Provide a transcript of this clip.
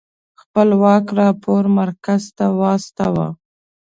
خپلواک راپور مرکز ته واستوه.